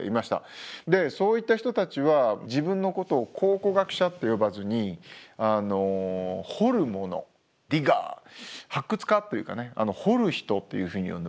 でそういった人たちは自分のことを考古学者と呼ばずに掘る者ディガー発掘家というかね掘る人というふうに呼んでました。